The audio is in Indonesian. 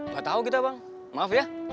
gak tahu kita bang maaf ya